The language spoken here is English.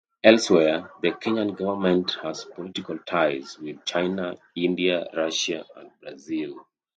Elsewhere, the Kenyan government has political ties with China, India, Russia and Brazil.